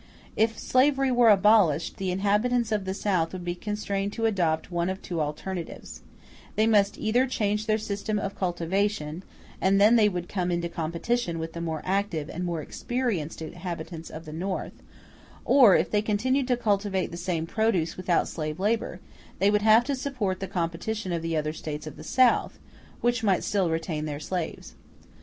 If slavery were abolished, the inhabitants of the South would be constrained to adopt one of two alternatives: they must either change their system of cultivation, and then they would come into competition with the more active and more experienced inhabitants of the North; or, if they continued to cultivate the same produce without slave labor, they would have to support the competition of the other States of the South, which might still retain their slaves.